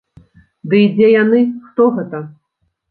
Ды і дзе яны, хто гэта?!